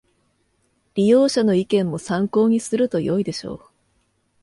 利用者の意見も参考にするとよいでしょう